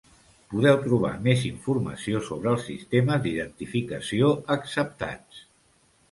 Podeu trobar més informació sobre els sistemes d'identificació acceptats.